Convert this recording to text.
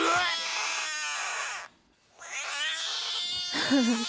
フフフ！